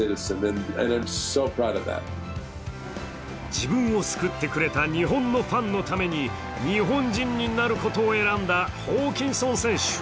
自分を救ってくれた日本のファンのために日本人になることを選んだホーキンソン選手。